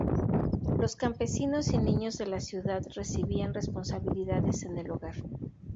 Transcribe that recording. Los campesinos y niños de la ciudad recibían responsabilidades en el hogar.